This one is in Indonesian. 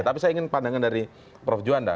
tapi saya ingin pandangan dari prof juanda